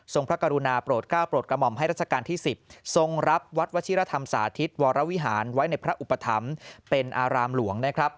พระกรุณาโปรดก้าวโปรดกระหม่อมให้รัชกาลที่๑๐ทรงรับวัดวชิรธรรมสาธิตวรวิหารไว้ในพระอุปถัมภ์เป็นอารามหลวงนะครับ